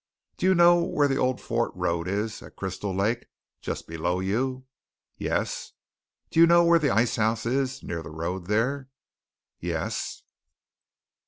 "Do you know where the old fort road is, at Crystal Lake, just below you?" "Yes." "Do you know where the ice house is near the road there?" "Yes."